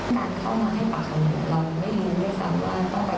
ติดก็ตอบเลยไม่ได้มากเพราะว่าเราไม่ได้เห็นเขาลงไป